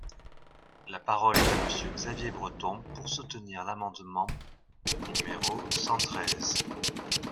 La parole est à Monsieur Xavier Breton, pour soutenir l’amendement numéro cent treize.